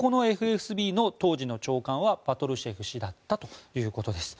このＦＳＢの当時の長官はパトルシェフ氏だったということです。